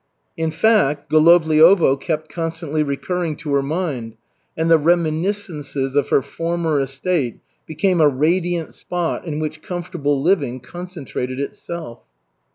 In fact, Golovliovo kept constantly recurring to her mind, and the reminiscences of her former estate became a radiant spot in which "comfortable living" concentrated itself.